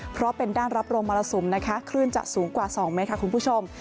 เพราะเป็นด้านรับรองมรสุมนะคะคลื่นจะสูงกว่า๒เมตรค่ะคุณผู้ชม